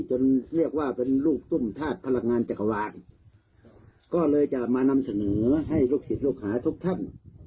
เรียกว่าเป็นลูกตุ้มธาตุพลังงานจักรวาลก็เลยจะมานำเสนอให้ลูกศิษย์ลูกหาทุกท่าน